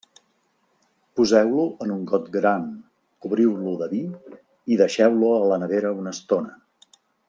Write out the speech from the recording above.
Poseu-lo en un got gran, cobriu-lo de vi i deixeu-lo a la nevera una estona.